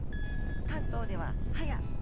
関東では「はや」